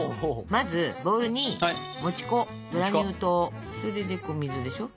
まずボウルにもち粉グラニュー糖それでお水でしょ。